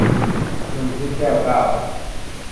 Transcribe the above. หนุ่มทิพย์ - แก้วเก้า